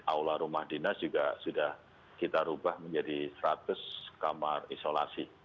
aula rumah dinas juga sudah kita ubah menjadi seratus kamar isolasi